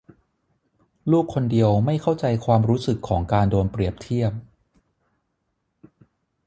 ลูกคนเดียวไม่เข้าใจความรู้สึกของการโดนเปรียบเทียบ